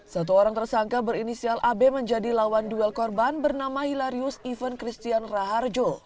satu orang tersangka berinisial ab menjadi lawan duel korban bernama hilarius event christian raharjo